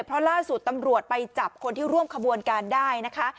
เพราะล่าสุดตำรวจไปจับคนที่ร่วมขบวนการได้นะคะ